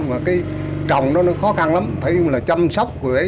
và cái trồng đó nó khó khăn lắm phải chăm sóc người ấy